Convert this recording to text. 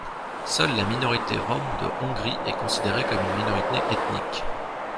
Seule la minorité rom de Hongrie est considérée comme une minorité ethnique.